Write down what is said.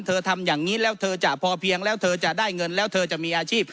ทำอย่างนี้แล้วเธอจะพอเพียงแล้วเธอจะได้เงินแล้วเธอจะมีอาชีพ